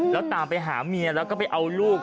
แล้วตามไปหาเมียแล้วก็ไปเอาลูก